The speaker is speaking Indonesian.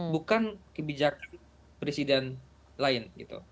bukan kebijakan presiden lain